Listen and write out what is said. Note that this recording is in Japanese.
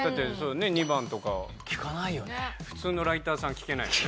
２番とか普通のライターさん聞けないよね。